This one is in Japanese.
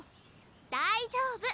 大丈夫！